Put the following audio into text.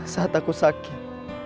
saat aku sakit